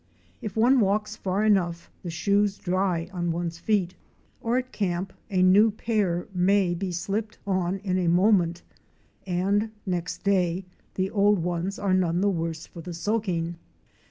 If one walks far enough the shoes dry on one's feet, or at camp a new pair may be slipped on in a moment and next day the old ones are none the worse for the soaking.